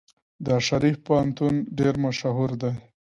د شریف پوهنتون ډیر مشهور دی.